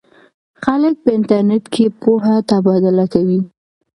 خلک په انټرنیټ کې پوهه تبادله کوي.